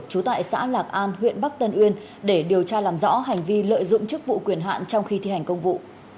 trú tại xã lạc an huyện bắc tân uyên để điều tra làm rõ hành vi lợi dụng chức vụ quyền hạn trong khi thi hành công vụ